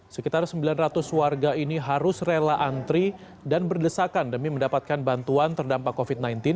sekitar sembilan ratus warga ini harus rela antri dan berdesakan demi mendapatkan bantuan terdampak covid sembilan belas